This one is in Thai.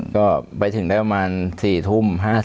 ก็ไปถึงได้ประมาณ๔ทุ่ม๕๐